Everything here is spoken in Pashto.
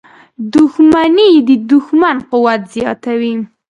• دښمني د دوښمن قوت زیاتوي.